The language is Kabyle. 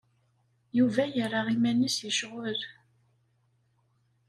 Yuba yerra iman-is yecɣel.